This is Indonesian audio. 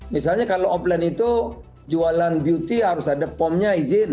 misalnya kalau offline itu jualan beauty harus ada pomnya izin